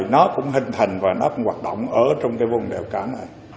nó cũng hình thành và nó cũng hoạt động ở trong cái vùng đèo cả này